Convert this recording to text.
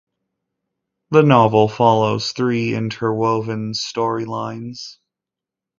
The novel follows three interwoven storylines.